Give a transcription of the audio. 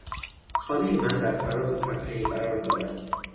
خانهی من بر فراز تپهای قرار دارد.